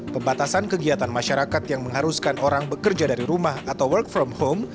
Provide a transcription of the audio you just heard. pembatasan kegiatan masyarakat yang mengharuskan orang bekerja dari rumah atau work from home